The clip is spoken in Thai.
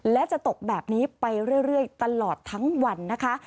และจะตกแบบนี้ไปเรื่อยตลอดทั้งวันนะคะ